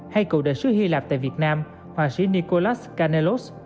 hay cựu đệ sứ hy lạp tại việt nam họa sĩ nicholas kanelos